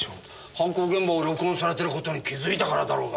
犯行現場を録音されてる事に気づいたからだろうが。